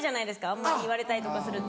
あんまり言われたりとかすると。